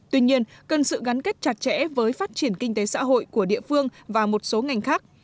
tuy nhiên cần sự gắn kết chặt chẽ với phát triển kinh tế xã hội của địa phương và một số ngành khác